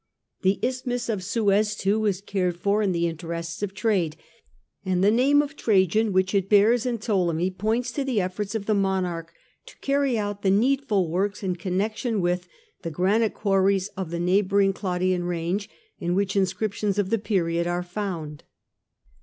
The Isthmus of Suez too was cared for in the interests of trade ; and the name of Trajan which it bears in Ptolemy points to the efforts of the monarch to carry out the needful works in connexion with the granite quarries of the neighbouring Claudian range, in which inscriptions of the period are found.